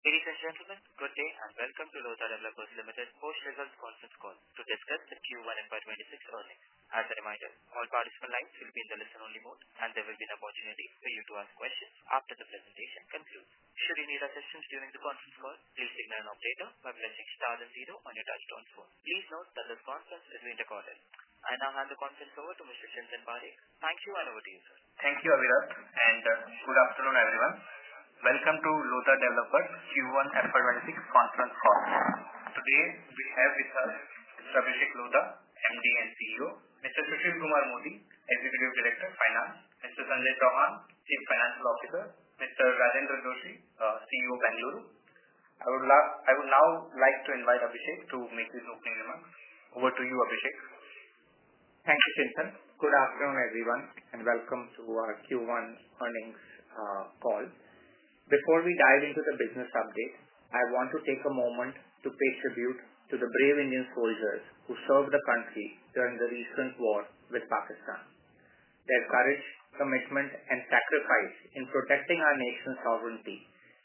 Ladies and gentlemen, good day and welcome to Lodha Developers Limited's post-result conference call to discuss the Q1 FY2026 earnings. As a reminder, all participant lines will be in the listen-only mode, and there will be an opportunity for you to ask questions after the presentation concludes. Should you need any questions during the conference call, please signal an operator by pressing star zero on your touch-tone phone. Please note that this conference is being recorded. I now hand the conference over to Mr. Chintan Parikh. Thank you, and over to you, sir. Thank you, Avinath, and good afternoon, everyone. Welcome to Lodha Developers Q1FY26 conference call. Today, we have with us Mr. Abhishek Lodha, MD and CEO; Mr. Sushil Kumar Modi, Executive Director, Finance; Mr. Sanjay Chauhan, Chief Financial Officer; Mr. Rajendra Joshi, CEO, Bengaluru. I would now like to invite Abhishek to make his opening remarks. Over to you, Abhishek. Thank you, Chintan. Good afternoon, everyone, and welcome to our Q1 earnings call. Before we dive into the business update, I want to take a moment to pay tribute to the brave Indian soldiers who served the country during the recent war with Pakistan. Their courage, commitment, and sacrifice in protecting our nation's sovereignty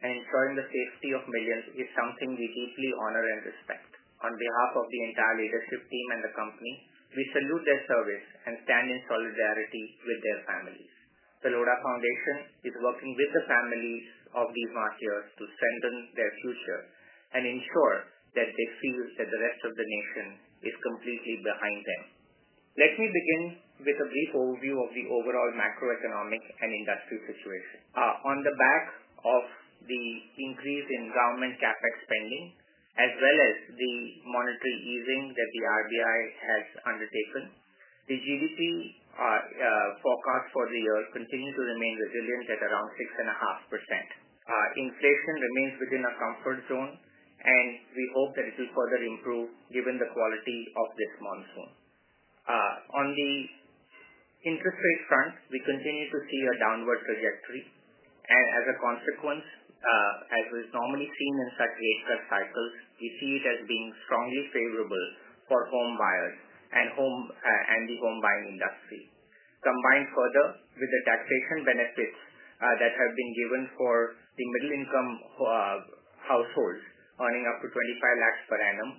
and ensuring the safety of millions is something we deeply honor and respect. On behalf of the entire Leadership Team and the company, we salute their service and stand in solidarity with their families. The Lodha Foundation is working with the families of these martyrs to strengthen their future and ensure that they feel that the rest of the nation is completely behind them. Let me begin with a brief overview of the overall macroeconomic and industrial situation. On the back of the increase in government capex spending, as well as the monetary easing that the RBI has undertaken, the GDP forecast for the year continues to remain resilient at around 6.5%. Inflation remains within a comfort zone, and we hope that it will further improve given the quality of this monsoon. On the interest rate front, we continue to see a downward trajectory, and as a consequence, as is normally seen in such late-stage cycles, we see it as being strongly favorable for home buyers and the home buying industry. Combined further with the taxation benefits that have been given for the middle-income households earning up to 25 per annum,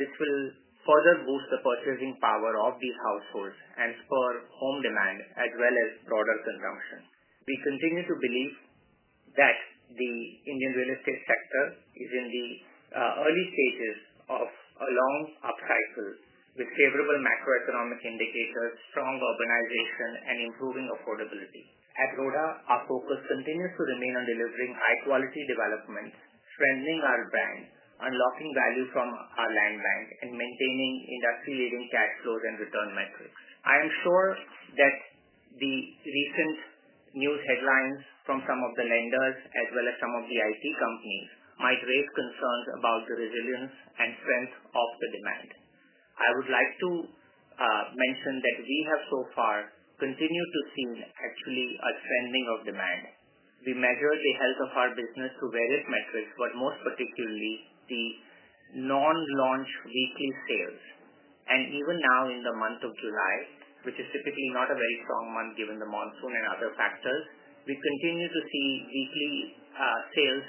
this will further boost the purchasing power of these households and spur home demand as well as broader consumption. We continue to believe that the Indian real estate sector is in the early stages of a long up cycle with favorable macroeconomic indicators, strong urbanization, and improving affordability. At Lodha, our focus continues to remain on delivering high-quality development, strengthening our brand, unlocking value from our land bank, and maintaining industry-leading cash flows and return metrics. I am sure that the recent news headlines from some of the lenders as well as some of the IT companies might raise concerns about the resilience and strength of the demand. I would like to mention that we have so far continued to see actually a strengthening of demand. We measure the health of our business through various metrics, but most particularly the non-launch weekly sales. Even now, in the month of July, which is typically not a very strong month given the monsoon and other factors, we continue to see weekly sales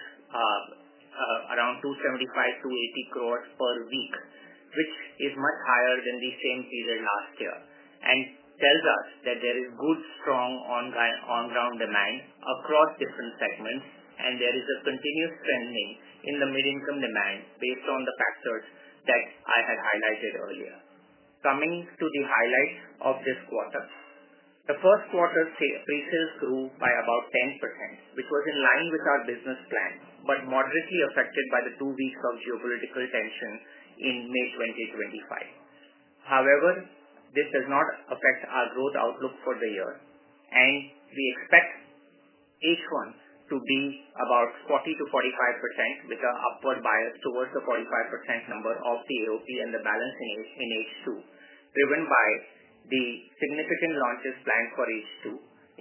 around 275-280 crore per week, which is much higher than the same period last year, and tells us that there is good strong on-ground demand across different segments, and there is a continuous trending in the mid-income demand based on the factors that I had highlighted earlier. Coming to the highlight of this quarter, the first quarter faces through by about 10%. It was in line with our business plan but moderately affected by the two weeks of geopolitical tension in May 2025. However, this does not affect our growth outlook for the year, and we expect H1s to be about 40-45% with an upward bias towards the 45% number of the AOP and the balancing in H2, driven by the significant launches planned for H2,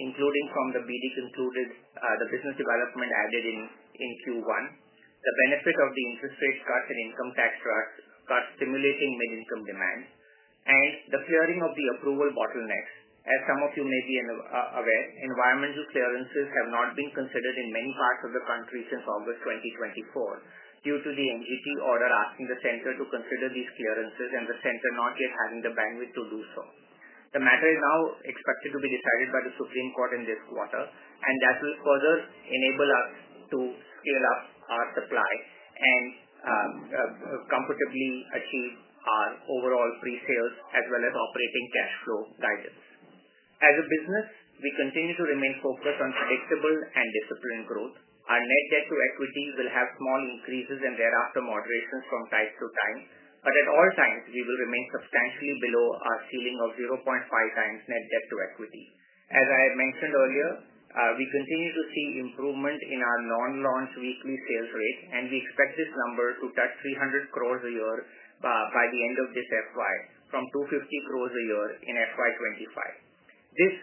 including from the BD concluded, the business development added in Q1, the benefit of the interest rate cuts and income tax cuts stimulating mid-income demand, and the clearing of the approval bottlenecks. As some of you may be aware, environmental clearances have not been considered in many parts of the country since August 2024 due to the MGT order asking the center to consider these clearances and the center not yet having the bandwidth to do so. The matter is now expected to be decided by the Supreme Court of India in this quarter, and that will further enable us to scale up our supply and comfortably achieve our overall pre-sales as well as operating cash flow guidance. As a business, we continue to remain focused on predictable and disciplined growth. Our net debt-to-equity will have small increases and thereafter moderations from time to time, but at all times, we will remain substantially below our ceiling of 0.5 times net debt-to-equity. As I mentioned earlier, we continue to see improvement in our non-launch weekly sales rate, and we expect this number to touch 300 crore a year by the end of this FY, from 250 crore a year in FY25. This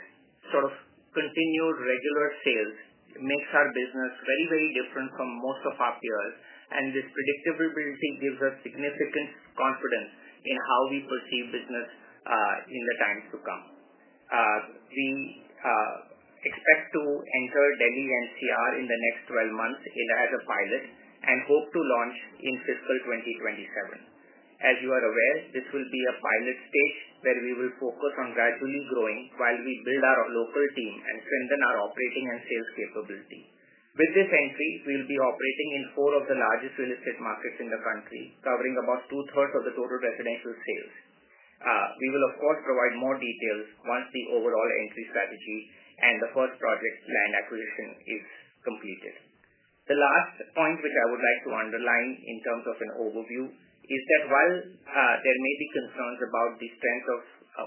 sort of continued regular sales makes our business very, very different from most of our peers, and this predictability gives us significant confidence in how we perceive business in the times to come. We expect to enter Delhi NCR in the next 12 months as a pilot and hope to launch in fiscal 2027. As you are aware, this will be a pilot stage where we will focus on gradually growing while we build our local team and strengthen our operating and sales capability. With this entry, we will be operating in four of the largest real estate markets in the country, covering about two-thirds of the total residential sales. We will, of course, provide more details once the overall entry strategy and the first project land acquisition is completed. The last point which I would like to underline in terms of an overview is that while there may be concerns about the strength of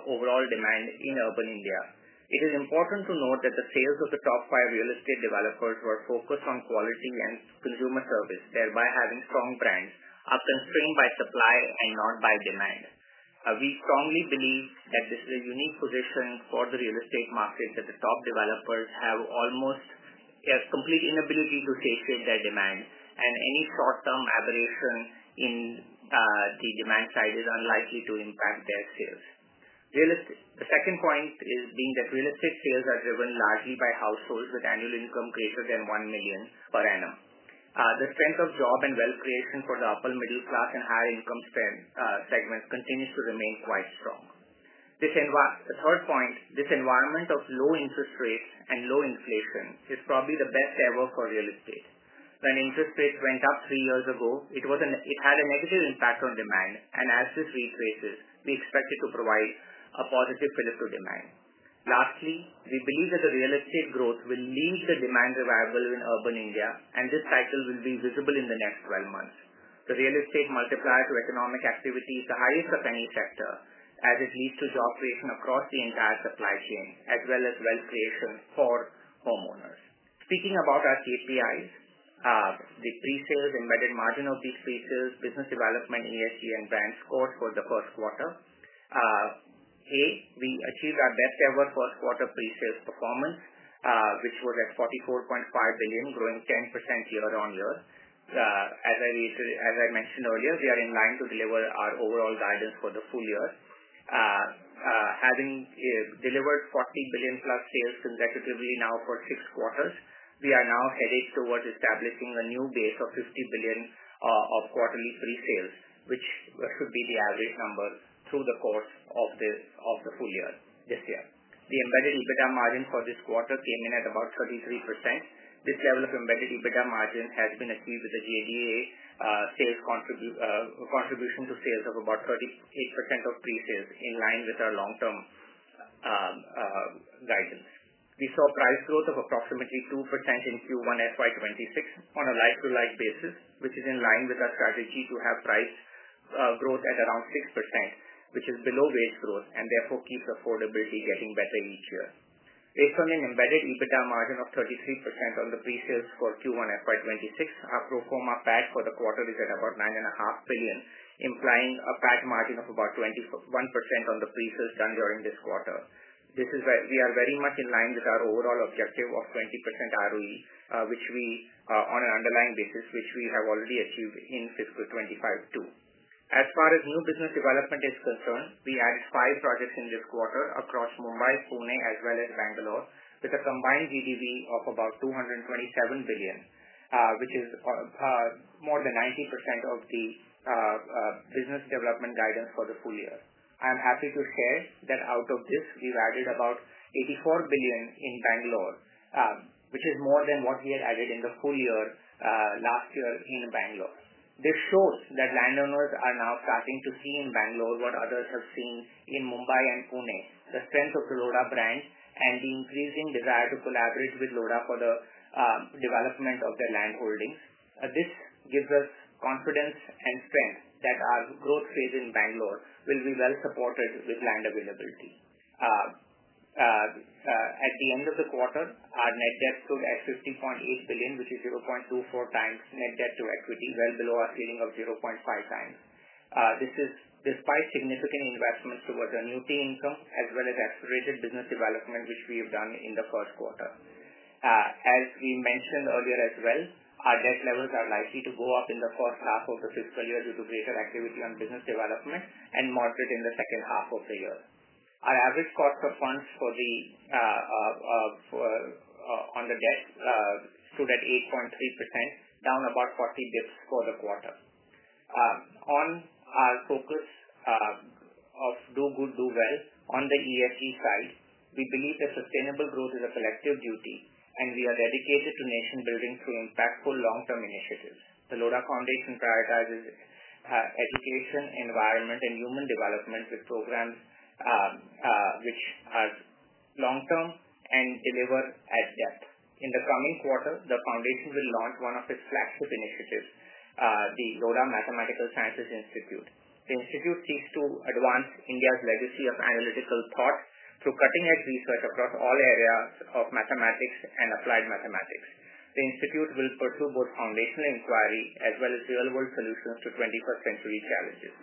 overall demand in urban India, it is important to note that the sales of the top five real estate developers who are focused on quality and presumer service, thereby having strong brands, are constrained by supply and not by demand. We strongly believe that this is a unique position for the real estate market that the top developers have almost. A complete inability to safeguard their demand, and any short-term aberration in the demand side is unlikely to impact their sales. The second point is being that real estate sales are driven largely by households with annual income greater than 1 million per annum. The strength of job and wealth creation for the upper middle class and higher income segments continues to remain quite strong. The third point, this environment of low interest rates and low inflation is probably the best ever for real estate. When interest rates went up three years ago, it had a negative impact on demand, and as this retraces, we expect it to provide a positive fit for demand. Lastly, we believe that the real estate growth will lead to the demand revival in urban India, and this cycle will be visible in the next 12 months. The real estate multiplier to economic activity is the highest of any sector, as it leads to job creation across the entire supply chain as well as wealth creation for homeowners. Speaking about our KPIs. The pre-sales, embedded margin of these pre-sales, business development, and brand score for the first quarter. We achieved our best-ever first-quarter pre-sales performance, which was at 44.5 billion, growing 10% year-on-year. As I mentioned earlier, we are in line to deliver our overall guidance for the full year. Having delivered 40 billion-plus sales consecutively now for six quarters, we are now headed towards establishing a new base of 50 billion of quarterly pre-sales, which should be the average number through the course of the full year this year. The embedded EBITDA margin for this quarter came in at about 33%. This level of embedded EBITDA margin has been achieved with the JDA contribution to sales of about 38% of pre-sales, in line with our long-term guidance. We saw price growth of approximately 2% in Q1FY26 on a like-to-like basis, which is in line with our strategy to have price growth at around 6%, which is below base growth and therefore keeps affordability getting better each year. Based on an embedded EBITDA margin of 33% on the pre-sales for Q1FY26, our PAT for the quarter is at about 9.5 billion, implying a PAT margin of about 21% on the pre-sales done during this quarter. This is where we are very much in line with our overall objective of 20% ROE, which we on an underlying basis, which we have already achieved in fiscal 2025 too. As far as new business development is concerned, we had five projects in this quarter across Mumbai, Pune, as well as Bangalore, with a combined GDV of about 227 billion, which is more than 90% of the business development guidance for the full year. I am happy to share that out of this, we've added about 84 billion in Bangalore, which is more than what we had added in the full year last year in Bangalore. This shows that landowners are now starting to see in Bangalore what others have seen in Mumbai and Pune, the strength of the Lodha brand and the increasing desire to collaborate with Lodha for the development of their land holdings. This gives us confidence and strength that our growth phase in Bangalore will be well supported with land availability. At the end of the quarter, our net debt stood at 50.8 billion, which is 0.24 times net debt-to-equity, well below our ceiling of 0.5 times. This is despite significant investments towards our new pay income as well as accelerated business development, which we have done in the first quarter. As we mentioned earlier as well, our debt levels are likely to go up in the first half of the fiscal year due to greater activity on business development and moderate in the second half of the year. Our average cost of funds on the debt stood at 8.3%, down about 40 basis points for the quarter. On our focus of do good, do well, on the ESG side, we believe that sustainable growth is a collective duty, and we are dedicated to nation-building through impactful long-term initiatives. The Lodha Foundation prioritizes education, environment, and human development with programs which are long-term and deliver at depth. In the coming quarter, the foundation will launch one of its flagship initiatives, the Lodha Mathematical Sciences Institute. The institute seeks to advance India's legacy of analytical thought through cutting-edge research across all areas of mathematics and applied mathematics. The institute will pursue both foundational inquiry as well as real-world solutions to 21st-century challenges.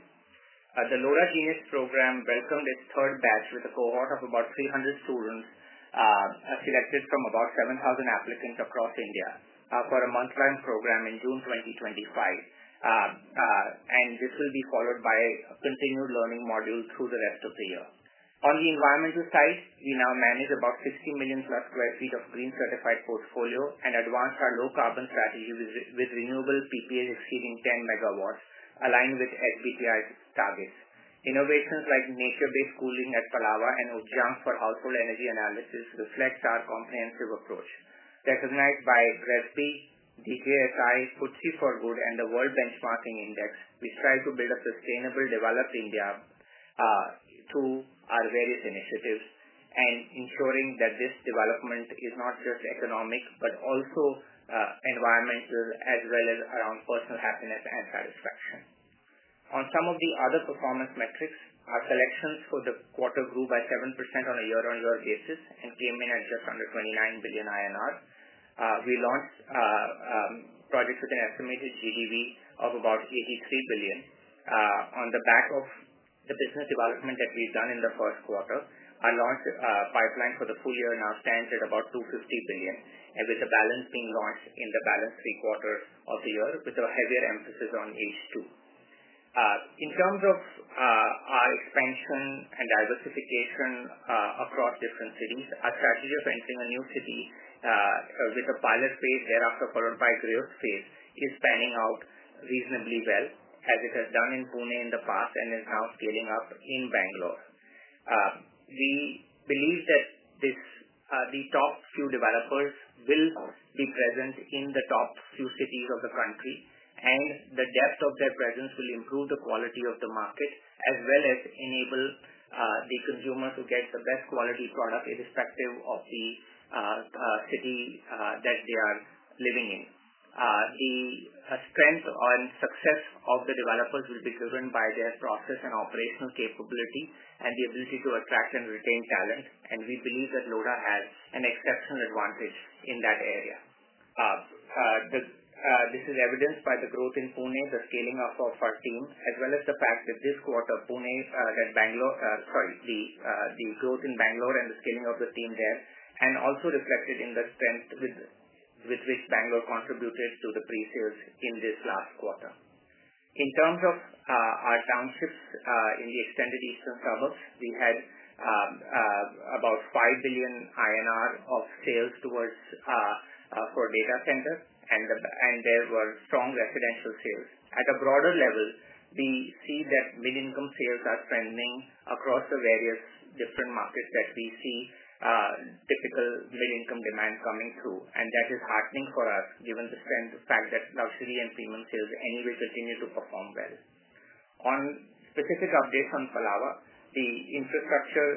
The Lodha Genius Program welcomed its third batch with a cohort of about 300 students selected from about 7,000 applicants across India for a month-long program in June 2025. This will be followed by a continued learning module through the rest of the year. On the environmental side, we now manage about 50 million-plus sq ft of green-certified portfolio and advance our low-carbon strategy with renewable PPA receiving 10 MW, aligned with SBTi's targets. Innovations like nature-based cooling at Palava and Ujja for household energy analysis reflect our comprehensive approach. Recognized by RESPE, DJSI, FTSE for Good, and the World Benchmarking Index, we strive to build a sustainable, developed India through our various initiatives and ensuring that this development is not just economic but also environmental as well as around personal happiness and satisfaction. On some of the other performance metrics, our selections for the quarter grew by 7% on a year-on-year basis and came in at just under 29 billion INR. We launched projects with an estimated GDV of about 83 billion. On the back of the business development that we've done in the first quarter, our launch pipeline for the full year now stands at about 250 billion, with a balance being launched in the balance three quarters of the year with a heavier emphasis on H2. In terms of. Our expansion and diversification across different cities, our strategy of entering a new city with a pilot phase, thereafter followed by growth phase, is panning out reasonably well, as it has done in Pune in the past and is now scaling up in Bangalore. We believe that the top few developers will be present in the top few cities of the country, and the depth of their presence will improve the quality of the market as well as enable the consumer to get the best quality product irrespective of the city that they are living in. The strength and success of the developers will be driven by their process and operational capability and the ability to attract and retain talent, and we believe that Lodha has an exceptional advantage in that area. This is evidenced by the growth in Pune, the scaling up of our team, as well as the fact that this quarter, Pune has—Bangalore, sorry, the growth in Bangalore and the scaling of the team there—and also reflected in the strength with which Bangalore contributed to the pre-sales in this last quarter. In terms of our townships in the extended eastern suburbs, we had about 5 billion INR of sales towards core data centers, and there were strong residential sales. At a broader level, we see that mid-income sales are trending across the various different markets that we see. Typical mid-income demand coming through, and that is heartening for us given the strength of fact that luxury and freelance sales anyway continue to perform well. On specific updates on Palava, the infrastructure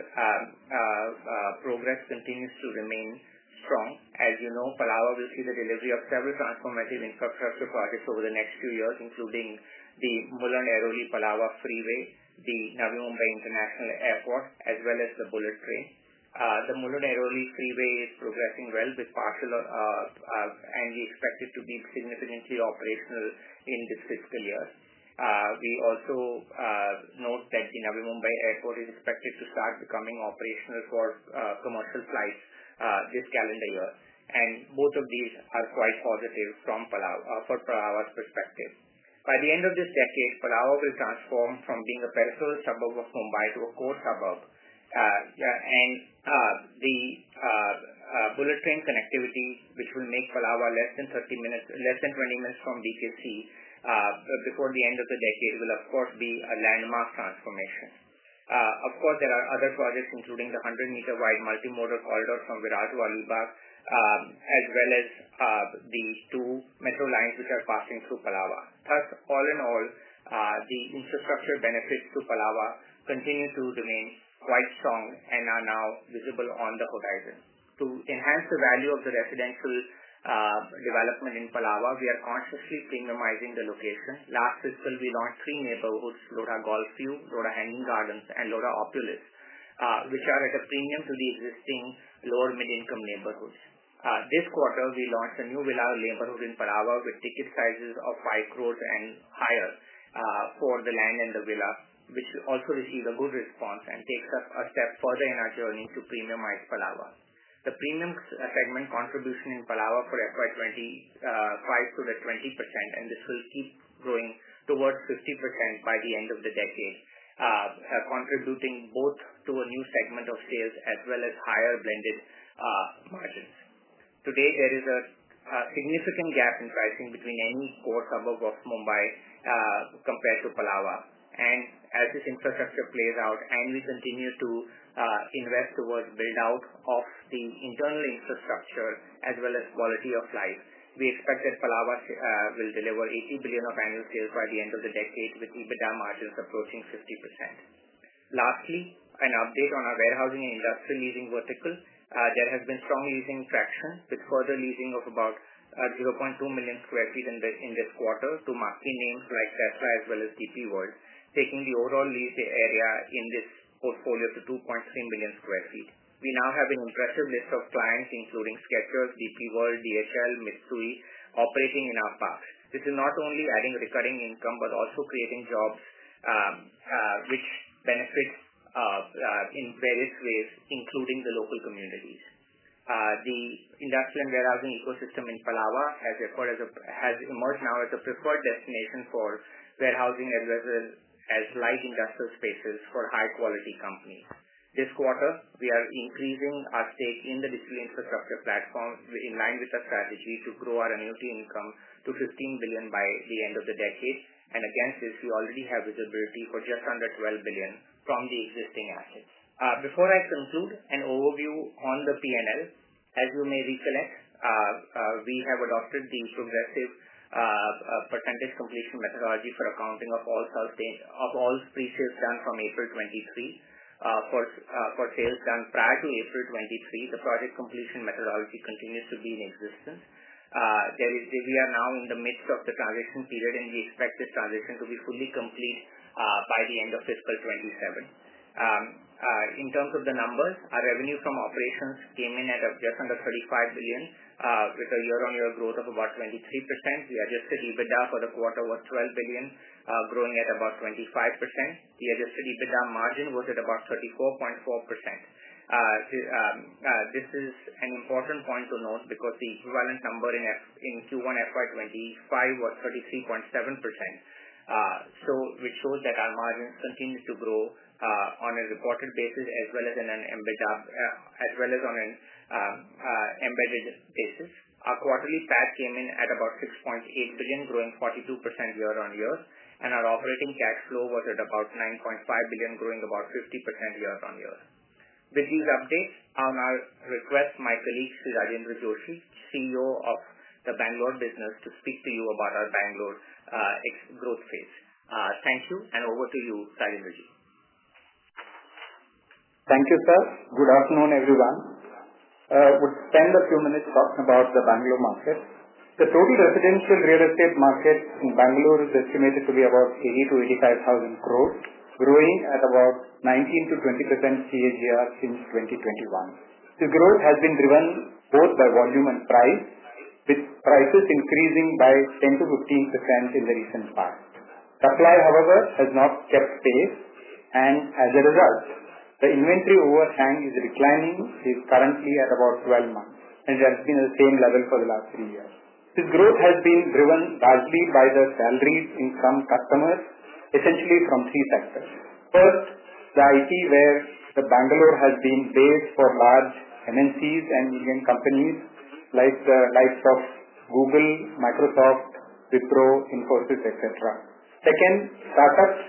progress continues to remain strong. As you know, Palava will see the delivery of several transformative infrastructure projects over the next two years, including the Mulund-Airoli-Palava Freeway, the Navi Mumbai International Airport, as well as the Bullet Train. The Mulund-Airoli Freeway is progressing well with partial, and we expect it to be significantly operational in this fiscal year. We also note that the Navi Mumbai International Airport is expected to start becoming operational for commercial flights this calendar year, and both of these are quite positive from Palava's perspective. By the end of this decade, Palava will transform from being a peripheral suburb of Mumbai to a core suburb. The Bullet Train connectivity, which will make Palava less than 30 minutes, less than 20 minutes from VKC, before the end of the decade, will of course be a landmark transformation. Of course, there are other projects, including the 100-meter-wide multimodal corridor from [Virat Kohli Alibaug], as well as the two metro lines which are passing through Palava. Thus, all in all, the infrastructure benefits to Palava continue to remain quite strong and are now visible on the horizon. To enhance the value of the residential development in Palava, we are consciously premiumizing the location. Last fiscal, we launched three neighborhoods: Lodha Golfview, Lodha Hanging Gardens, and Lodha Opulis, which are at a premium to the existing lower mid-income neighborhoods. This quarter, we launched a new villa neighborhood in Palava with ticket sizes of 50 million and higher for the land and the villa, which also received a good response and takes us a step further in our journey to premiumize Palava. The premium segment contribution in Palava for FY25 to the 20%, and this will keep growing towards 50% by the end of the decade. Contributing both to a new segment of sales as well as higher blended margins. Today, there is a significant gap in pricing between any core suburb of Mumbai compared to Palava. As this infrastructure plays out and we continue to invest towards build-out of the internal infrastructure as well as quality of life, we expect that Palava will deliver 80 billion of annual sales by the end of the decade with EBITDA margins approaching 50%. Lastly, an update on our warehousing and industrial leasing vertical. There has been strong leasing traction with further leasing of about 0.2 million sq ft in this quarter to marquee names like Tesla as well as DP World, taking the overall lease area in this portfolio to 2.3 million sq ft. We now have an impressive list of clients, including Skechers, DP World, DHL, and Mitsui, operating in our parks. This is not only adding recurring income but also creating jobs, which benefits in various ways, including the local communities. The industrial and warehousing ecosystem in Palava has emerged now as a preferred destination for warehousing as well as light industrial spaces for high-quality companies. This quarter, we are increasing our stake in the DP World infrastructure platform in line with our strategy to grow our annual income to 15 billion by the end of the decade. Against this, we already have visibility for just under 12 billion from the existing assets. Before I conclude, an overview on the P&L. As you may recollect, we have adopted the progressive percentage completion methodology for accounting of all pre-sales done from April 2023. For sales done prior to April 2023, the project completion methodology continues to be in existence. We are now in the midst of the transition period, and we expect this transition to be fully complete by the end of fiscal 2027. In terms of the numbers, our revenue from operations came in at just under 35 billion, with a year-on-year growth of about 23%. The adjusted EBITDA for the quarter was 12 billion, growing at about 25%. The adjusted EBITDA margin was at about 34.4%. This is an important point to note because the equivalent number in Q1 FY25 was 33.7%, which shows that our margin continues to grow on a reported basis as well as on an embedded basis. Our quarterly PAT came in at about 6.8 billion, growing 42% year-on-year, and our operating cash flow was at about 9.5 billion, growing about 50% year-on-year. With these updates, on our request, my colleague Sri Rajendra Joshi, CEO of the Bangalore business, to speak to you about our Bangalore growth phase. Thank you, and over to you, Sri Rajendra Joshi. Thank you, sir. Good afternoon, everyone. I would spend a few minutes talking about the Bangalore market. The total residential real estate market in Bangalore is estimated to be about 80,000-85,000 crores, growing at about 19%-20% CAGR since 2021. The growth has been driven both by volume and price, with prices increasing by 10%-15% in the recent past. Supply, however, has not kept pace, and as a result, the inventory overhang is reclining. It is currently at about 12 months, and it has been at the same level for the last three years. The growth has been driven largely by the salaries in some customers, essentially from three sectors. First, the IT, where Bangalore has been based for large MNCs and Indian companies like the likes of Google, Microsoft, Wipro, Infosys, etc. Second, startups,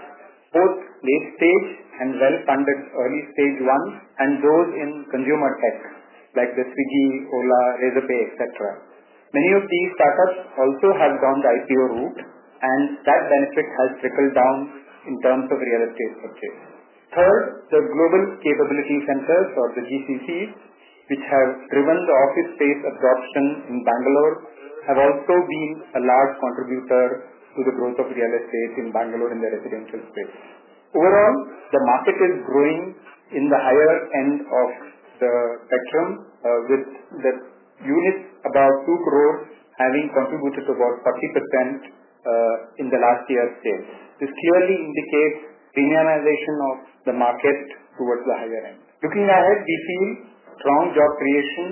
both late-stage and well-funded early-stage ones, and those in consumer sectors like Swiggy, Ola, Razorpay, etc. Many of these startups also have gone the ICO route, and that benefit has trickled down in terms of real estate purchase. Third, the global capability centers, or the GCCs, which have driven the office space at Broadstone in Bangalore, have also been a large contributor to the growth of real estate in Bangalore and the residential space. Overall, the market is growing in the higher end of the spectrum, with the units above 2 crores having contributed to about 30% in the last year's sales. This clearly indicates premiumization of the market towards the higher end. Looking ahead, we've seen strong job creation,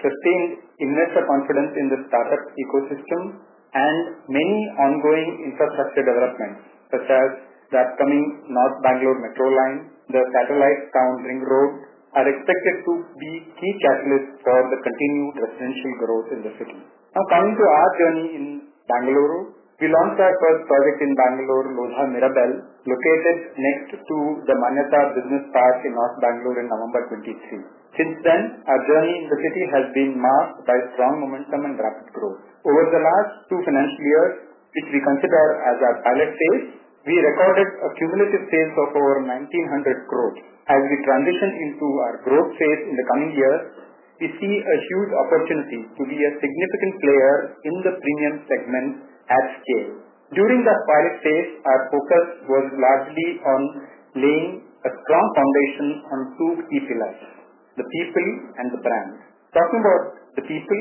strengthened investor confidence in the startup ecosystem, and many ongoing infrastructure developments, such as the upcoming North Bangalore Metro line and the Satellite Town Ring Road, are expected to be key catalysts for the continued residential growth in the city. Now coming to our journey in Bangalore, we launched our first project in Bangalore, Lodha Mirabel, located next to the Manyata Business Park in North Bangalore in November 2023. Since then, our journey in the city has been marked by strong momentum and rapid growth. Over the last two financial years, which we consider as our pilot phase, we recorded a cumulative sales of over 1,900 crores. As we transition into our growth phase in the coming years, we see a huge opportunity to be a significant player in the premium segment at scale. During that pilot phase, our focus was largely on laying a strong foundation on two key philosophies: the people and the brands. Talking about the people,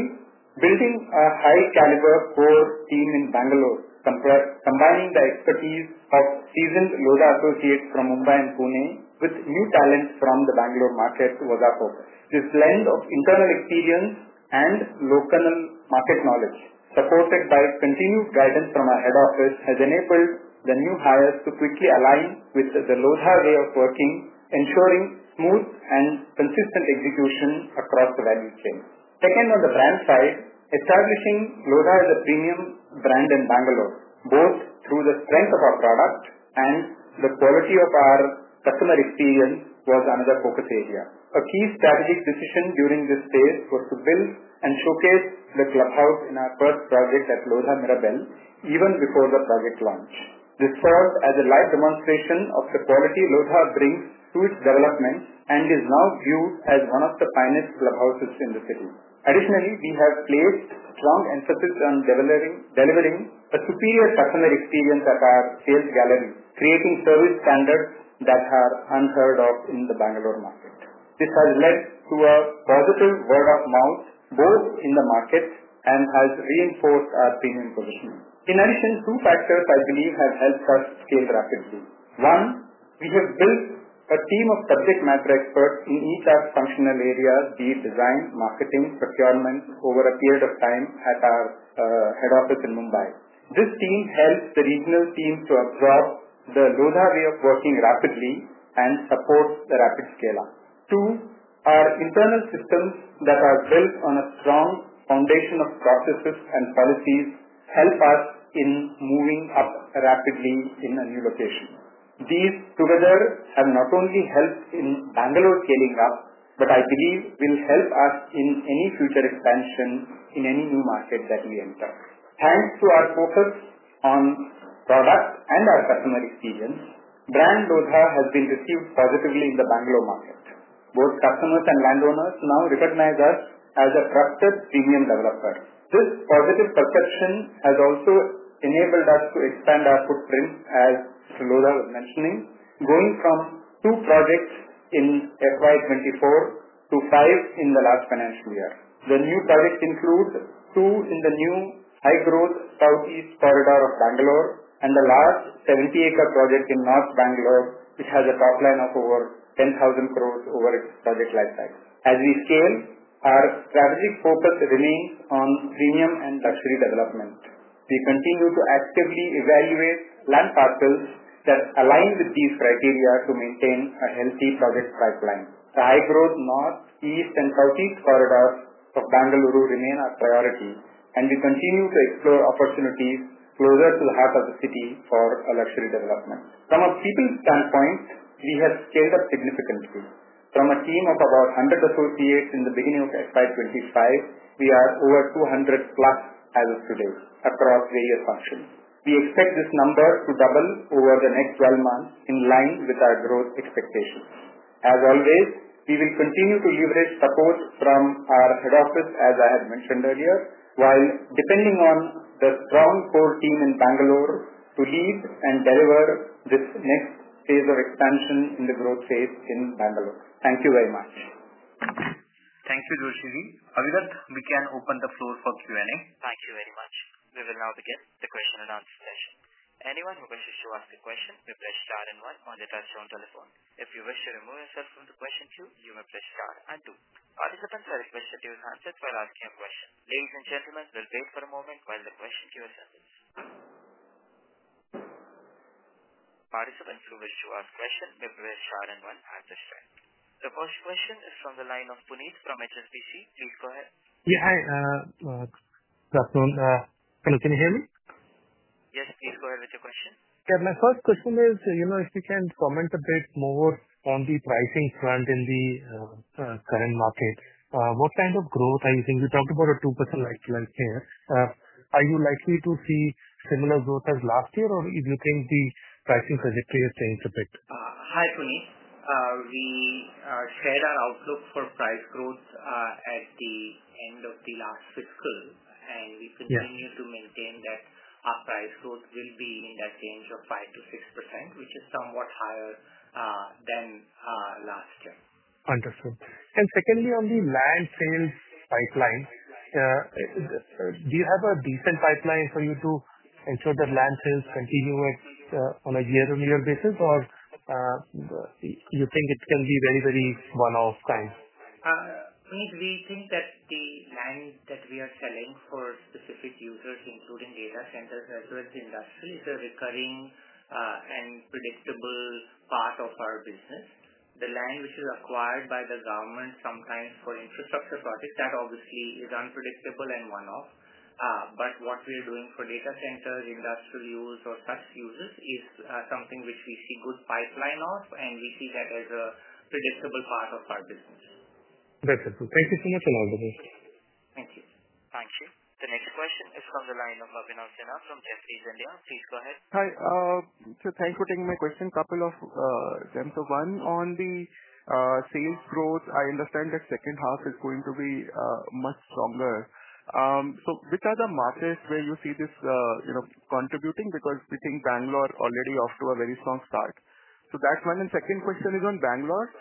building a high-caliber core team in Bangalore, combining the expertise of seasoned Lodha associates from Mumbai and Pune with new talents from the Bangalore market to Vodafone. This blend of internal experience and local market knowledge, supported by continuous guidance from our head office, has enabled the new hires to quickly align with the Lodha way of working, ensuring smooth and consistent execution across the value chain. Second, on the brand side, establishing Lodha as a premium brand in Bangalore, both through the strength of our product and the quality of our customer experience, was another focus area. A key strategic decision during this phase was to build and showcase the clubhouse in our first project at Lodha Mirabel, even before the project launch. This served as a live demonstration of the quality Lodha brings to its development and is now viewed as one of the finest clubhouses in the city. Additionally, we have placed strong emphasis on delivering a superior customer experience at our sales galleries, creating service standards that are unheard of in the Bangalore market. This has led to a positive word-of-mouth both in the market and has reinforced our premium positioning. In addition, two factors I believe have helped us scale rapidly. One, we have built a team of subject matter experts in each of our functional areas, be it design, marketing, procurement, over a period of time at our head office in Mumbai. This team helps the regional teams to absorb the Lodha way of working rapidly and supports the rapid scale-up. Two, our internal systems that are built on a strong foundation of processes and policies help us in moving up rapidly in a new location. These, together, have not only helped in Bangalore scaling up, but I believe will help us in any future expansion in any new market that we enter. Thanks to our focus on products and our customer experience, brand Lodha has been received positively in the Bangalore market. Both customers and landowners now recognize us as a trusted premium developer. This positive perception has also enabled us to expand our footprint, as Lodha was mentioning, going from two projects in FY2024 to five in the last financial year. The new targets include two in the new high-growth Southeast corridor of Bangalore and the large 70-acre project in North Bangalore, which has a pipeline of over 10,000 crore over its target lifetime. As we scale, our strategic focus remains on premium and luxury development. We continue to actively evaluate land parcels that align with these criteria to maintain a healthy project pipeline. High-growth North, East, and Southeast corridors of Bangalore remain our priority, and we continue to explore opportunities closer to the heart of the city for luxury development. From our people's standpoint, we have scaled up significantly. From a team of about 100 associates in the beginning of FY2025, we are over 200 plus as of today across various functions. We expect this number to double over the next 12 months in line with our growth expectations. As always, we will continue to leverage support from our head office, as I had mentioned earlier, while depending on the strong core team in Bangalore to lead and deliver this next phase of expansion in the growth phase in Bangalore. Thank you very much. Thank you, Joshi. Avinath, we can open the floor for Q&A. Thank you very much. We will now begin the question and answer session. Anyone who wishes to ask a question may please press star and one or get a show on the telephone. If you wish to remove yourself from the question queue, you may please press star and two. Participants are requested to answer by asking a question. Ladies and gentlemen, we'll wait for a moment while the question queue is up. Participants who wish to ask questions may please press star and one at this time. The first question is from the line of Puneet from HSBC. Please go ahead. Yeah, hi. Hello, can you hear me? Yes, please go ahead with your question. Yeah, my first question is, you know, if you can comment a bit more on the pricing front in the current market, what kind of growth are you seeing? We talked about a 2% like like here. Are you likely to see similar growth as last year, or do you think the pricing trajectory has changed a bit? Hi, Puneet. We shared our outlook for price growth at the end of the last fiscal, and we continue to maintain that our price growth will be in that range of 5%-6%, which is somewhat higher than last year. Understood. And secondly, on the land sales pipeline. Do you have a decent pipeline for you to ensure that land sales continue on a year-on-year basis, or you think it can be very, very one-off times? Please, we think that the land that we are selling for specific users, including data centers and residential industry, is a recurring and predictable part of our business. The land, which is acquired by the government sometimes for infrastructure projects, that obviously is unpredictable and one-off. But what we are doing for data centers, industrial use, or bus uses is something which we see good pipeline of, and we see that as a predictable part of our business. That's it. Thank you so much for all of this. Thank you. Thank you. The next question is from the line of Abhinav Sinha from Jefferies India. Please go ahead. Hi. So thanks for taking my question. Couple of [questions, One]. On the sales growth, I understand that second half is going to be much stronger. Which are the markets where you see this contributing? Because we think Bangalore already off to a very strong start. That is one. And second question is on Bangalore.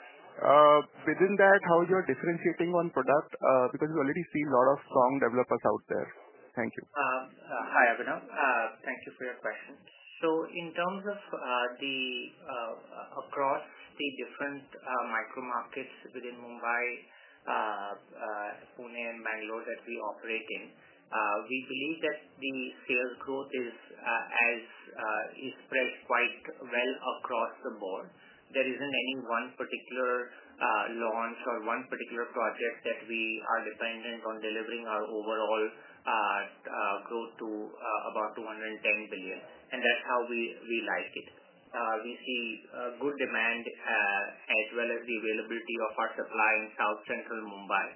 Within that, how are you differentiating on product? Because we already see a lot of strong developers out there. Thank you. Hi, Abhinav. Thank you for your question. So in terms of. Across the different micro markets within Mumbai, Pune, and Bangalore that we operate in, we believe that the sales growth is expressed quite well across the board. There is not any one particular launch or one particular project that we are dependent on delivering our overall growth to about 210 billion. That is how we like it. We see good demand as well as the availability of our supply in South Central Mumbai.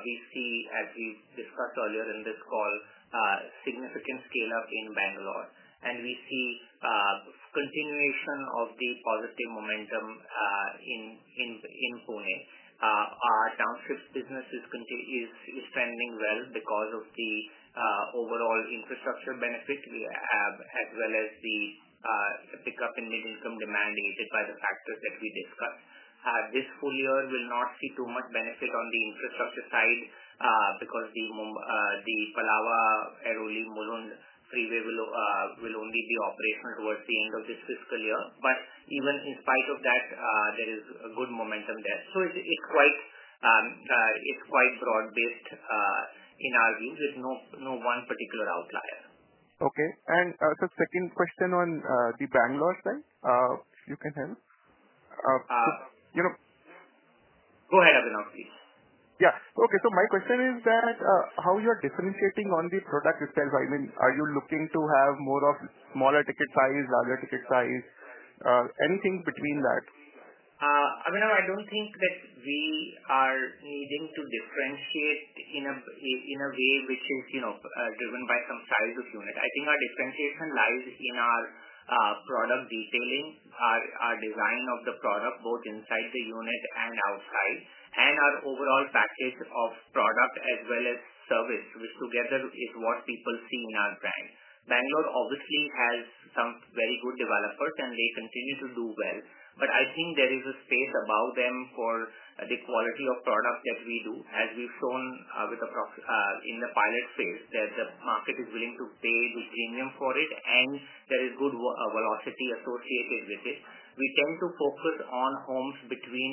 We see, as we have discussed earlier in this call, significant scale-up in Bangalore. We see continuation of the positive momentum in Pune. Our township business is standing well because of the overall infrastructure benefit we have, as well as the pickup in mid-income demand aided by the factors that we discussed. This full year will not see too much benefit on the infrastructure side because the Mulund-Airoli-Palava Freeway will only be operational towards the end of this fiscal year. Even in spite of that, there is good momentum there. It is quite broad-based in our view, with no one particular outlier. Okay. The second question on the Bangalore side, if you can help. Go ahead, Abhinav, please. Yeah. Okay. My question is how you are differentiating on the product itself. I mean, are you looking to have more of smaller ticket size, larger ticket size, anything between that? Abhinav, I do not think that we are needing to differentiate in a way which is driven by some size of unit. I think our differentiation lies in our product detailing, our design of the product, both inside the unit and outside, and our overall package of product as well as service, which together is what people see in our brand. Bangalore obviously has some very good developers, and they continue to do well. I think there is a space above them for the quality of product that we do, as we have shown in the pilot phase, that the market is willing to pay the premium for it, and there is good velocity associated with it. We tend to focus on homes between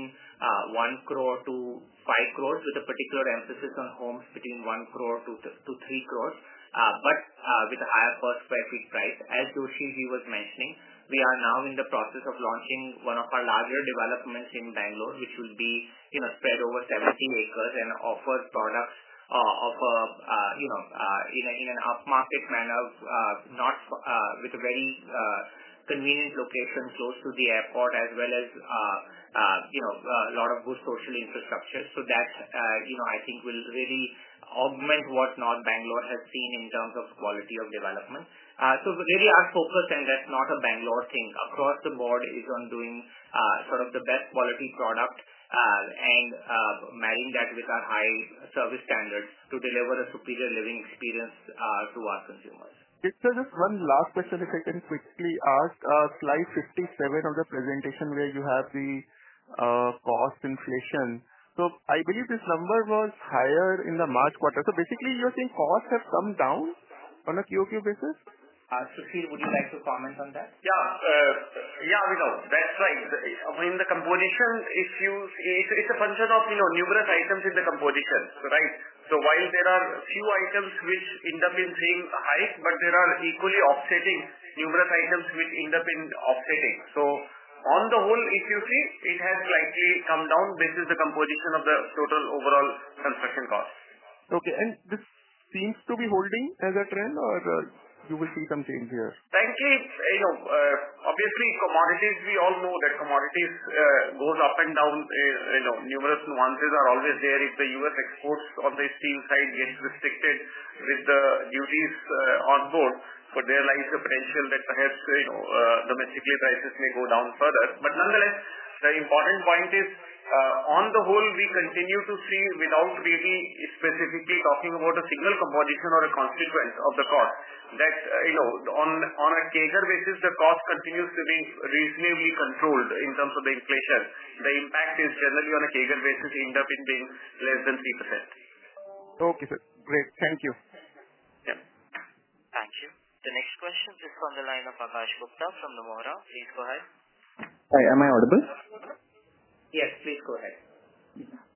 1 crore-5 crore, with a particular emphasis on homes between 10 crore-30 crore, but with a higher cost per sq ft price. As Joshi was mentioning, we are now in the process of launching one of our larger developments in Bangalore, which will be spread over 70 acres and offers products in an upmarket manner, with a very convenient location close to the airport, as well as a lot of good social infrastructure. That, I think, will really augment what North Bangalore has seen in terms of quality of development. Our focus, and that is not a Bangalore thing, across the board is on doing sort of the best quality product and marrying that with our high service standards to deliver a superior living experience to our consumers. Just one last question, if I can quickly ask. Slide 57 of the presentation where you have the cost inflation. I believe this number was higher in the March quarter. Basically, you're saying costs have come down on a QOQ basis? Joshi, would you like to comment on that? Yeah. Yeah, Abhinav. That's right. I mean, the composition issues, it's a function of numerous items in the composition, right? While there are a few items which end up being high, there are equally offsetting numerous items which end up offsetting. On the whole, if you see, it has slightly come down because of the composition of the total overall construction cost. Okay. This seems to be holding as a trend, or you wish to see some change here? Frankly, obviously, commodities, we all know that commodities go up and down. Numerous nuances are always there. If the U.S. exports on the steel side get restricted with the duties on board, there lies the potential that perhaps domestically prices may go down further. Nonetheless, the important point is, on the whole, we continue to see, without really specifically talking about a single composition or a constituent of the cost, that on a CAGR basis, the cost continues to be reasonably controlled in terms of the inflation. The impact is generally on a CAGR basis end up being less than 3%. Okay. Great. Thank you. Yeah. Thank you. The next question is from the line of Abhash Gupta from the MORA. Please go ahead. Hi. Am I audible? Yes, please go ahead.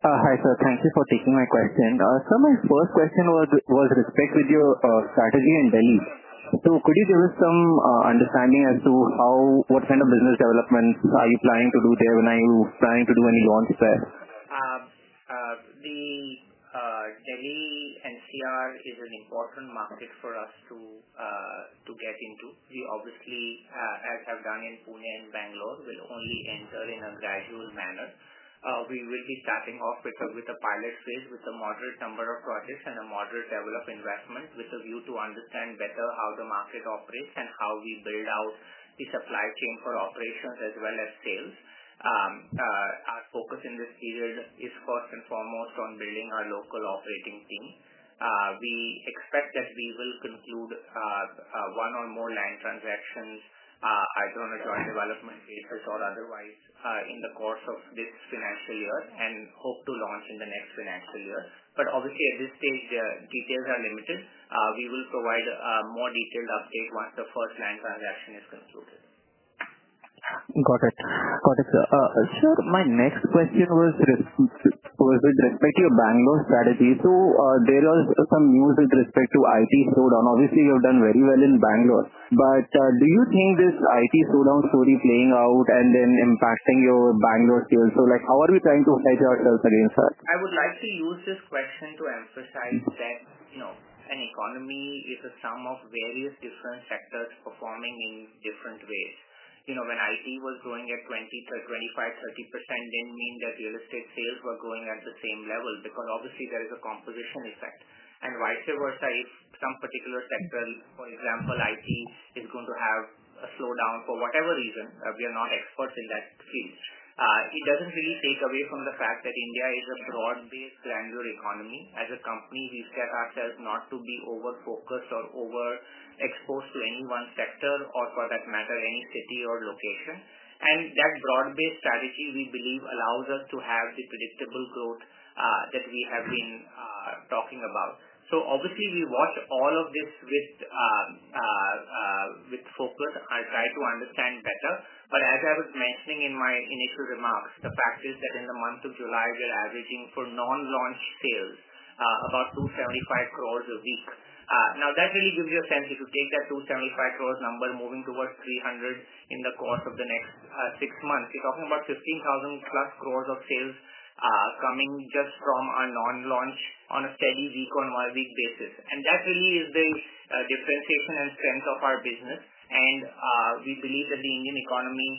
Hi, sir. Thank you for taking my question. Sir, my first question was with respect to your strategy in Delhi. Could you give us some understanding as to what kind of business development you are planning to do there and when are you planning to do any launch there? Delhi NCR is an important market for us to get into. We obviously, as have done in Pune and Bangalore, will only enter in a gradual manner. We will be starting off with a pilot phase with a moderate number of projects and a moderate development investment with a view to understand better how the market operates and how we build out the supply chain for operations as well as sales. Our focus in this field is first and foremost on building our local operating team. We expect that we will conclude one or more land transactions, either on a joint development basis or otherwise in the course of this financial year and hope to launch in the next financial year. Obviously, at this stage, the details are limited. We will provide a more detailed update once the first land transaction is concluded. Got it. Got it, sir. Sir, my next question was with respect to your Bangalore strategy. There was some news with respect to IT slowdown. Obviously, you have done very well in Bangalore. Do you think this IT slowdown is fully playing out and then impacting your Bangalore sales? How are we trying to hedge ourselves against that? I would like to use this question to emphasize that an economy is a sum of various different sectors performing in different ways. When IT was growing at 20%, 25%, 30%, it did not mean that real estate sales were growing at the same level because obviously, there is a composition effect. Vice versa, if some particular sector, for example, IT, is going to have a slowdown for whatever reason, we are not experts in that field. It does not really take away from the fact that India is a broad-based granular economy. As a company, we have set ourselves not to be over-focused or overexposed to any one sector or, for that matter, any city or location. That broad-based strategy, we believe, allows us to have the predictable growth that we have been talking about. We watch all of this with focus. I try to understand better. As I was mentioning in my initial remarks, the factors that in the month of July were averaging for non-launch sales, about 275 crore a week. That really gives you a sense if you take that 275 crore number moving towards 300 crore in the course of the next six months, you are talking about 15,000 crore-plus of sales coming just from our non-launch on a steady week-on-week basis. That really is the differentiation and strength of our business. We believe that the Indian economy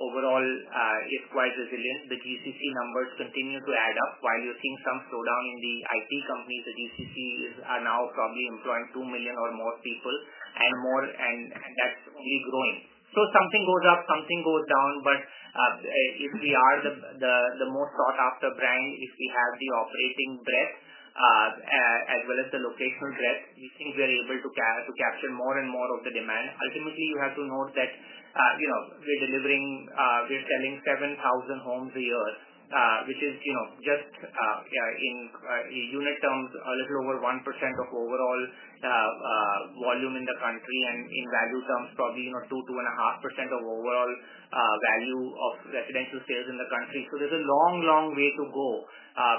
overall is quite resilient. The GCC numbers continue to add up. While you are seeing some slowdown in the IT companies, the GCC is now probably employing 2 million or more people, and that is only growing. Something goes up, something goes down. If we are the most sought-after brand, if we have the operating breadth as well as the locational breadth, we think we are able to capture more and more of the demand. Ultimately, you have to note that we are delivering, we are selling 7,000 homes a year, which is just, in unit terms, a little over 1% of overall volume in the country, and in value terms, probably 2%-2.5% of overall value of residential sales in the country. There is a long, long way to go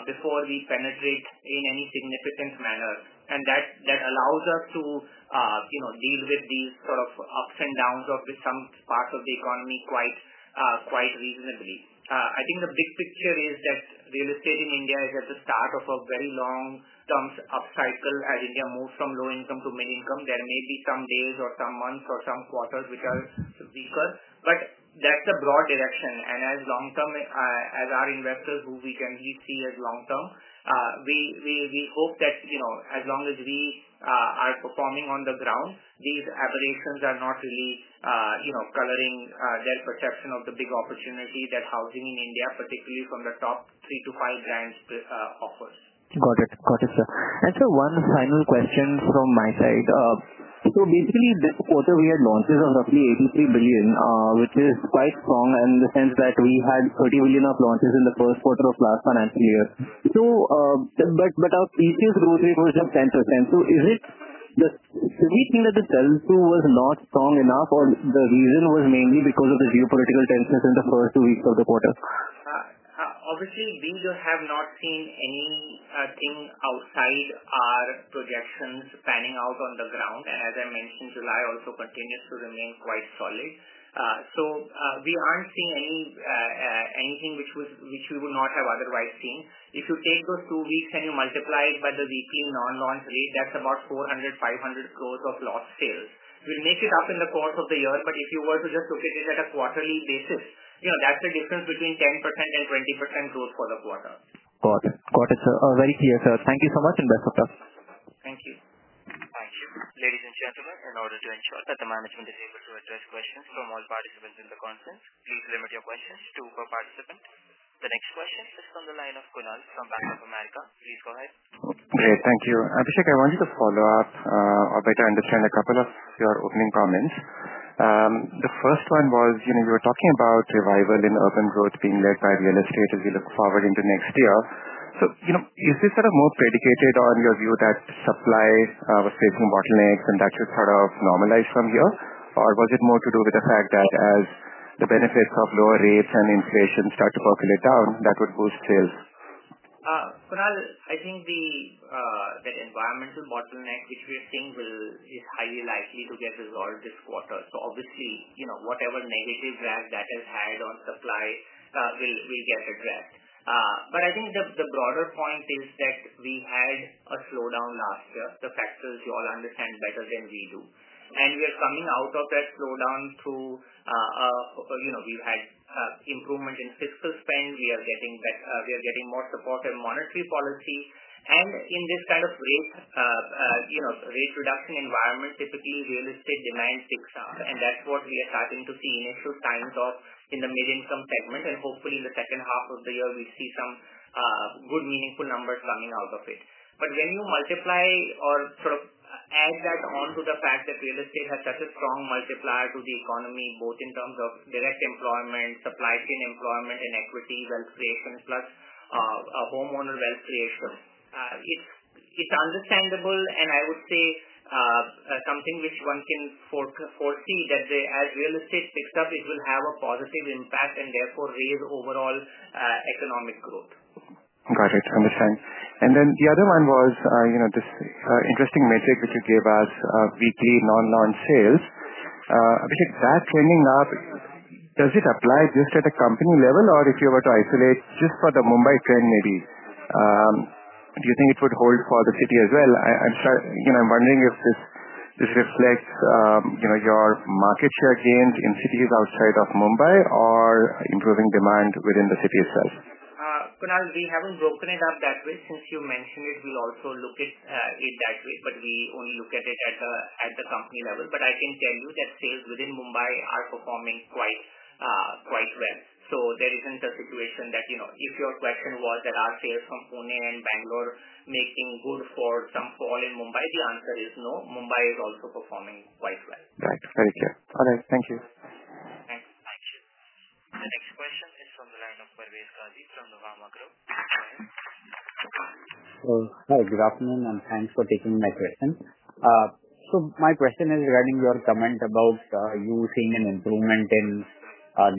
before we penetrate in any significant manner. That allows us to deal with these sort of ups and downs of some parts of the economy quite reasonably. I think the big picture is that real estate in India is at the start of a very long-term upcycle as India moves from low income to mid-income. There may be some days or some months or some quarters which are weaker. That is the broad direction. As long-term, as our investors, who we generally see as long-term, we hope that as long as we are performing on the ground, these aberrations are not really. Coloring their perception of the big opportunity that housing in India, particularly from the top three to five brands, offers. Got it. Got it, sir. Actually, one final question from my side. So basically, this quarter, we had launches of roughly 83 billion, which is quite strong in the sense that we had 30 billion of launches in the first quarter of last financial year. So. But our PTOs growth was just 10%. Is it the sweet thing that it sells to was not strong enough, or the reason was mainly because of the geopolitical tensions in the first two weeks of the quarter? Obviously, we have not seen anything outside our projections panning out on the ground. As I mentioned, July also continues to remain quite solid. We are not seeing anything which we would not have otherwise seen. If you take those two weeks and you multiply it by the VP non-launch rate, that is about 400-500 crore of lost sales. We will make it up in the course of the year, but if you were to just look at it at a quarterly basis, that is the difference between 10% and 20% growth for the quarter. Got it. Got it, sir. Very clear, sir. Thank you so much and best of luck. Thank you. Thank you. Ladies and gentlemen, in order to ensure that the management is able to address questions from all participants in the conference, please limit your questions to per participant. The next question is from the line of Kunal from Bank of America. Please go ahead. Great. Thank you. Abhishek, I wanted to follow up or better understand a couple of your opening comments. The first one was you were talking about revival in urban growth being led by real estate as we look forward into next year. Is this sort of more predicated on your view that supply would stay bottlenecks and that should sort of normalize from here? Or was it more to do with the fact that as the benefits of lower rates and inflation start to percolate down, that would boost sales? Kunal, I think that environmental bottleneck, which we are seeing, is highly likely to get resolved this quarter. Obviously, whatever negative draft that has had on supply will get addressed. I think the broader point is that we have had a slowdown last year. The factors, you all understand better than we do. We are coming out of that slowdown through. We have had improvement in fiscal spend. We are getting more support in monetary policy. In this kind of rate-reducing environment, typically real estate demand sticks up. That is what we are starting to see initial times of in the mid-income segment. Hopefully, in the second half of the year, we will see some good, meaningful numbers coming out of it. But when you multiply or sort of add that on to the fact that real estate has such a strong multiplier to the economy, both in terms of direct employment, supply chain employment, and equity wealth creation, plus homeowner wealth creation, it's understandable, and I would say something which one can foresee that as real estate sticks up, it will have a positive impact and therefore raise overall economic growth. Got it. Understand. The other one was this interesting metric that you gave us, weekly non-launch sales. Abhishek, that trending up, does it apply just at a company level, or if you were to isolate just for the Mumbai trend, maybe do you think it would hold for the city as well? I'm wondering if this reflects your market share gained in cities outside of Mumbai or improving demand within the city itself? Kunal, we haven't broken it up that way. Since you mentioned it, we'll also look at it that way, but we only look at it at the company level. I can tell you that sales within Mumbai are performing quite well. There isn't a situation that if your question was that are sales from Pune and Bangalore making good for some fall in Mumbai, the answer is no. Mumbai is also performing quite well. Got it. Thank you. All right. Thank you. Thanks. Thank you. The next question is from the line of Parvesh Rajeev from the VAMA Group. Hi. Good afternoon, and thanks for taking my question. My question is regarding your comment about you seeing an improvement in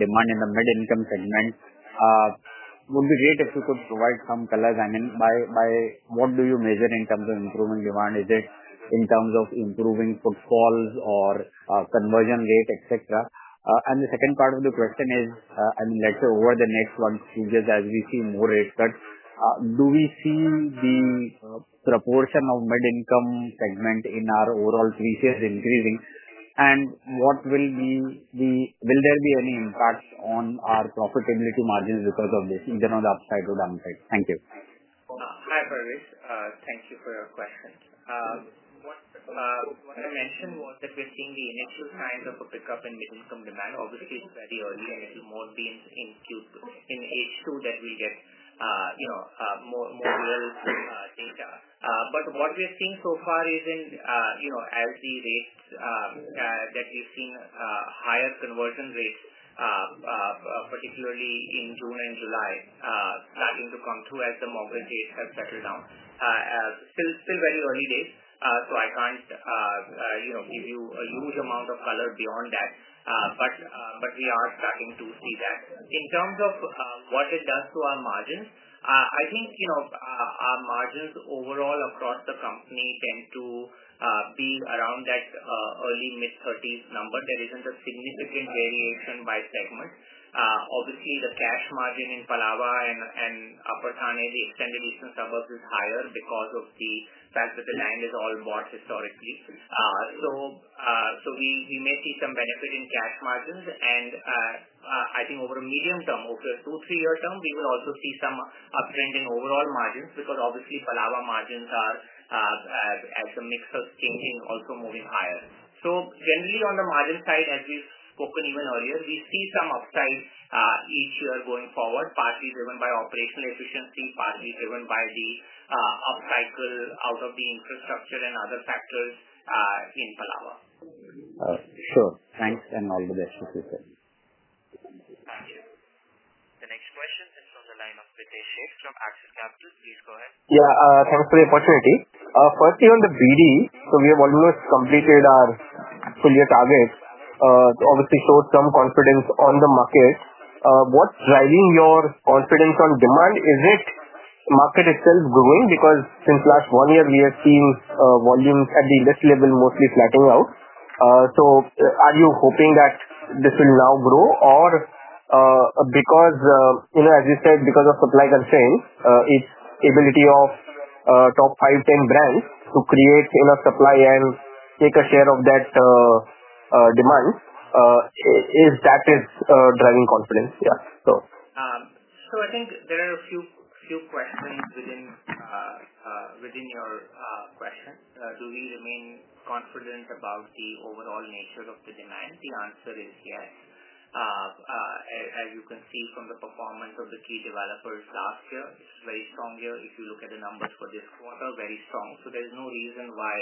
demand in the mid-income segment. It would be great if you could provide some colors. I mean, by what do you measure in terms of improvement demand? Is it in terms of improving footfalls or conversion rate, etc.? The second part of the question is, I mean, let's go over the next one few years as we see more rates cut. Do we see the proportion of mid-income segment in our overall three years increasing? Will there be any impacts on our profitability margins because of this, either on the upside or downside? Thank you. Hi, Parvesh. Thank you for your question. What I mentioned was that we're seeing the initial signs of a pickup in mid-income demand. Obviously, it's very early and it will more be in H2 that we get more real data. What we are seeing so far is that as the rates, we've seen higher conversion rates, particularly in June and July, starting to come through as the mortgages have settled down. Still very early days. I can't give you a huge amount of color beyond that, but we are starting to see that. In terms of what it does to our margins, I think our margins overall across the company tend to be around that early mid-30s number. There isn't a significant variation by segment. Obviously, the cash margin in Palava and [Thane], the extended regional suburbs, is higher because of the fact that the land is all bought historically. We may see some benefit in cash margins. I think over a medium term, over a two- to three-year term, we will also see some uptrend in overall margins because obviously, Palava margins are, as a mix, changing, also moving higher. Generally, on the margin side, as we've spoken even earlier, we see some upside each year going forward, partly driven by operational efficiency, partly driven by the upcycle out of the infrastructure and other factors in Palava. Sure. Thanks, and all the best, Abhishek. Thank you. The next question is from the line of Pritesh Sheth from Axis Capital. Please go ahead. Yeah. Thanks for the opportunity. Firstly, on the BD, we have always completed our full year targets. Obviously, short-term confidence on the market. What's driving your confidence on demand? Is it market itself growing? Because since last one year, we have seen volumes at the list level mostly flattening out. Are you hoping that this will now grow? Because, as you said, because of supply concerns, its ability of top 5, 10 brands to create enough supply and take a share of that demand, that is driving confidence. Yeah. I think there are a few questions within your questions. Do we remain confident about the overall nature of the demand? The answer is yes. As you can see from the performance of the key developers last year, it's very strong here. If you look at the numbers for this quarter, very strong. There's no reason why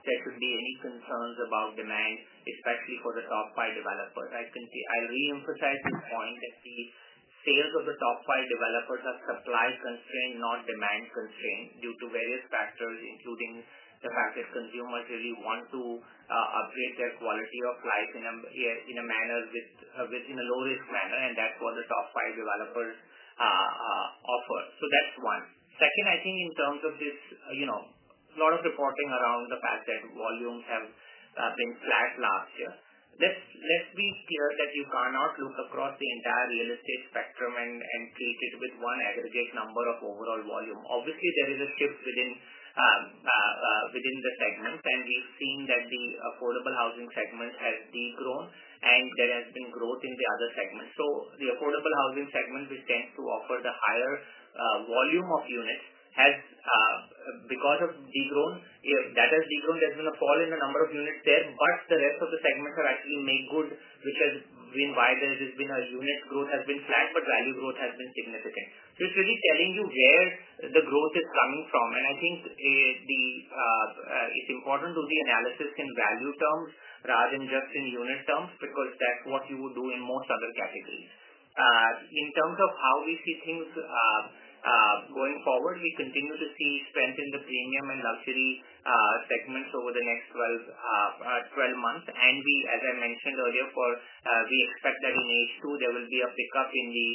there could be any concerns about demand, especially for the top five developers. I re-emphasize this point that the sales of the top five developers are supply-constrained, not demand-constrained, due to various factors, including the fact that consumers really want to upgrade their quality of life in a manner within a low-risk manner, and that's what the top five developers offer. That's one. Second, I think in terms of this, a lot of reporting around the fact that volumes have been flat last year. Let's be clear that you cannot look across the entire real estate spectrum and treat it with one aggregate number of overall volume. Obviously, there is a shift within the segment, and we've seen that the affordable housing segment has degrown, and there has been growth in the other segments. The affordable housing segment, which tends to offer the higher volume of units, has, because of degrown, that has degrown. There's been a fall in the number of units there, but the rest of the segments have actually made good, which has been why there has been a unit growth has been flat, but value growth has been significant. It's really telling you where the growth is coming from. I think. It's important to do the analysis in value terms rather than just in unit terms because that's what you would do in most other categories. In terms of how we see things going forward, we continue to see strength in the premium and luxury segments over the next 12 months. As I mentioned earlier, we expect that in H2, there will be a pickup in the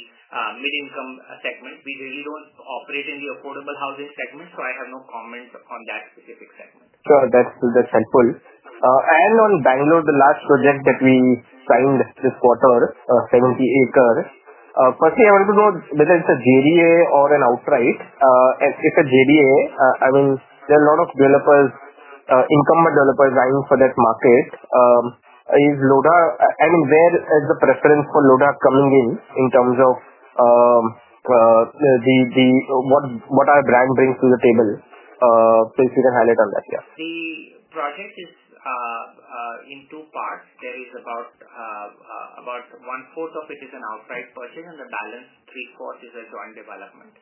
mid-income segment. We really don't operate in the affordable housing segment, so I have no comments on that specific segment. Sure. That's helpful. On Bangalore, the last project that we signed this quarter, 70 acres. Firstly, I wanted to know whether it's a JDA or an outright. If it's a JDA, I mean, there are a lot of developers, income developers vying for that market. Is Lodha? I mean, where is the preference for Lodha coming in in terms of what our brand brings to the table? Please give a highlight on that. Yeah. The project is in two parts. There is about one-fourth of it as an outright version, and the balance, three-fourths, is a joint development.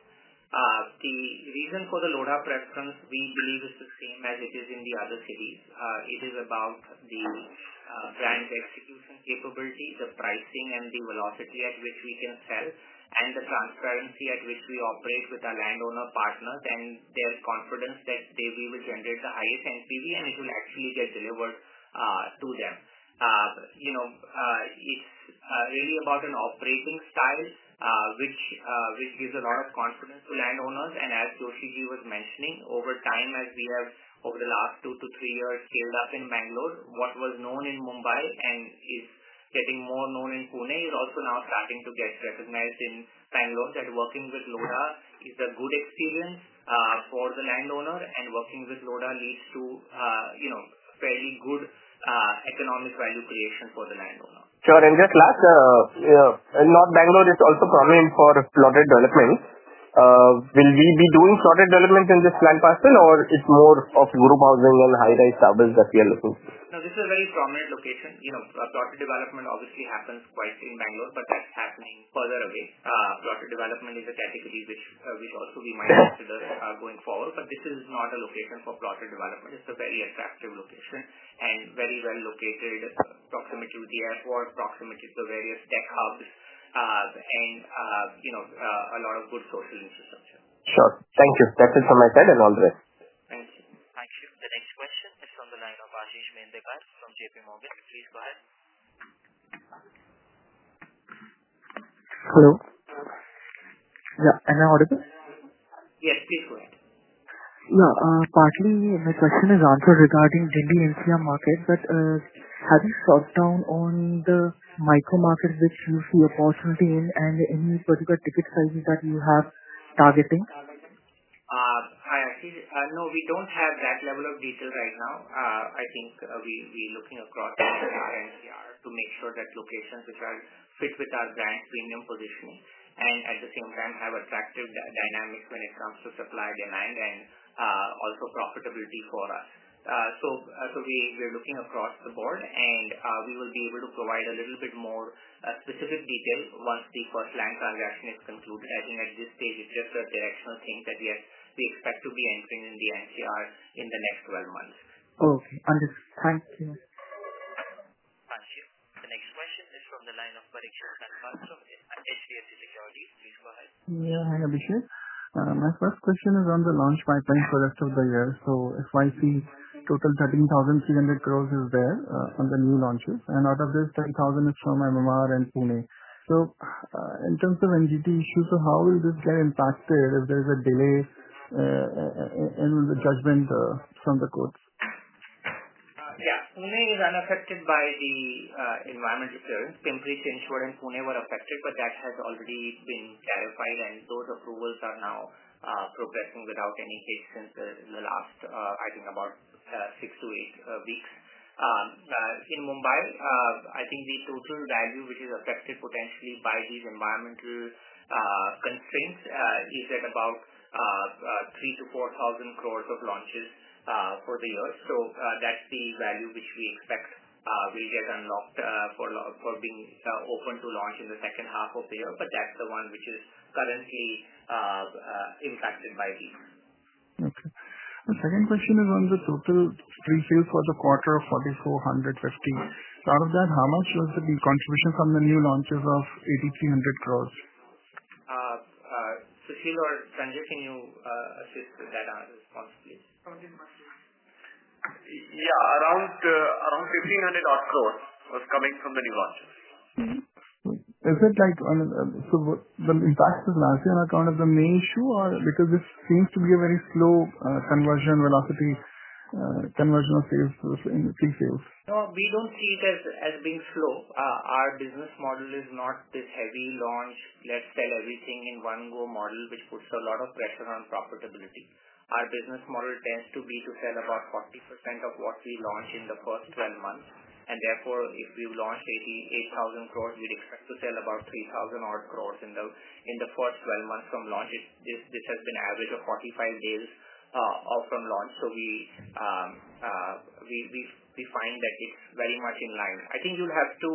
The reason for the Lodha preference, we believe, is the same as it is in the other cities. It is about the brand execution capability, the pricing, and the velocity at which we can sell, and the transparency at which we operate with our landowner partners. There is confidence that we will generate the highest NPV, and it will actually get delivered to them. It's really about an operating style which gives a lot of confidence to landowners. As [Joshi] was mentioning, over time, as we have, over the last two to three years, scaled up in Bangalore, what was known in Mumbai and is getting more known in Pune is also now starting to get recognized in Bangalore that working with Lodha is a good experience for the landowner, and working with Lodha leads to fairly good economic value creation for the landowner. Sure. Just last, in North Bangalore, it's also prominent for plotted developments. Will we be doing plotted development in this land parcel, or is it more of group housing and high-rise towers that we are looking at? No, this is a very prominent location. Plotted development obviously happens twice in Bangalore, but that's happening further away. Plotted development is a category which we thought we might consider going forward, but this is not a location for plotted development. It's a very attractive location and very well located, proximity to the airport, proximity to various tech hubs, and a lot of good social infrastructure. Sure. Thank you. That's it from my side and all the rest. Thanks. Thank you. The next question is from the line of Ashish Mendekar from JP Morgan. Please go ahead. Hello. Am I audible? Yes, please go ahead. Yeah. Partly, my question is answered regarding JD and SIA markets. But have you thought down on the micro markets which you see opportunity in and any particular ticket sizes that you have targeting? Hi, Ashish. No, we do not have that level of detail right now. I think we are looking across the entire NCR to make sure that locations which are fit with our brand premium positioning and at the same time have attractive dynamics when it comes to supply demand and also profitability for us. We are looking across the board, and we will be able to provide a little bit more specific detail once the first land conversation is concluded. I think at this stage, it is just a directional thing that we expect to be entering in the NCR in the next 12 months. Okay. Understood. Thank you. Thank you. The next question is from the line of Parikshit Kandpal from HDFC Securities. Please go ahead. Yeah. Hi, Abhishek. My first question is on the launch pipeline for the rest of the year. If I see total 13,300 crore is there on the new launches, and out of this, 3,000 crore is from MMR and Pune. In terms of NGT issues, how will this get impacted if there is a delay in the judgment from the courts? Yeah. Pune is unaffected by the environmental issues. Thane and Pune were affected, but that has already been clarified, and those approvals are now progressing without any case center in the last, I think, about six to eight weeks. In Mumbai, I think the total value which is affected potentially by these environmental constraints is at about 3,000-4,000 crore of launches for the year. That is the value which we expect will get unlocked for being open to launch in the second half of the year. That is the one which is currently impacted by it. Okay. The second question is on the total resales for the quarter of 4,450 crore. Out of that, how much was the contribution from the new launches of 8,300 crore? Sushil or Sanjay, can you assist that response please? Okay. Yeah. Around 1,500 crore was coming from the new launches. Is it like the impact of last year on the main issue or because this seems to be a very slow conversion velocity. Conversion of sales in sales? No, we do not see it as being slow. Our business model is not this heavy launch, let's sell everything in one-go model, which puts a lot of pressure on profitability. Our business model tends to be to sell about 40% of what we launch in the first 12 months. Therefore, if we launched 8,000 crore, we would expect to sell about 3,000 crore in the first 12 months from launch. This has been an average of 45 days out from launch. We find that it is very much in line. I think you will have to.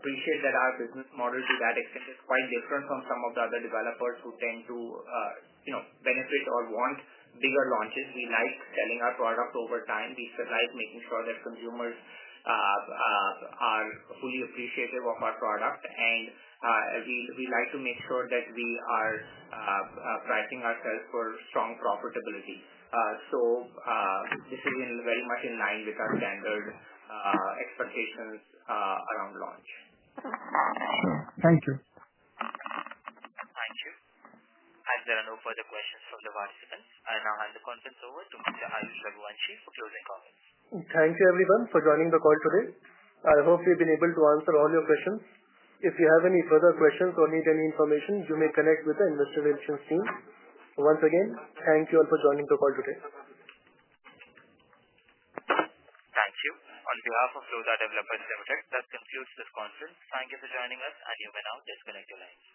Appreciate that our business model, to that extent, is quite different from some of the other developers who tend to benefit or want bigger launches. We like selling our product over time. We survive making sure that consumers are fully appreciative of our product. And we like to make sure that we are prioritizing ourselves for strong profitability. So this is very much in line with our standard expectations around launch. Thank you. Thank you. There are no further questions from the participants. I now hand the conference over to Mr. [Rajendra Joshi] to record this. Thank you, everyone, for joining the call today. I hope we've been able to answer all your questions. If you have any further questions or need any information, you may connect with the investigation team. Once again, thank you all for joining the call today. Thank you. On behalf of Lodha Developers Limited, that concludes this conference. Thank you for joining us, and you may now disconnect your lines.